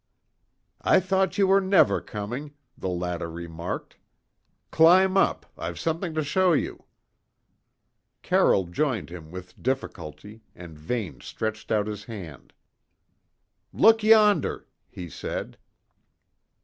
"I thought you were never coming," the latter remarked. "Climb up; I've something to show you." Carroll joined him with difficulty, and Vane stretched out his hand. "Look yonder," he said.